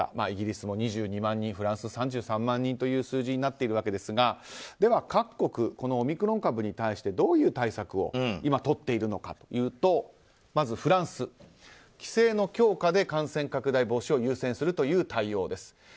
イギリスも２２万人フランスも３３万人という数字になっているわけですがでは各国、オミクロン株に対してどういう対策をとっているのかというとまずフランス規制の強化で感染拡大防止を優先するという対応です。